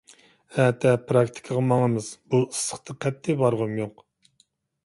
ئەتە پىراكتىكىغا ماڭىمىز. بۇ ئىسسىقتا قەتئىي بارغۇم يوق.